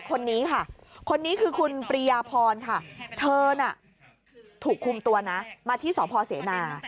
คนนี้ค่ะคนนี้คือคุณปริยาพรค่ะเธอน่ะถูกคุมตัวนะมาที่สพเสนา